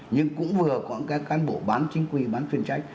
nhưng cũng vừa có các cán bộ bán chính quy bán chuyên trách